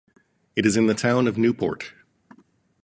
It is in the town of Newport.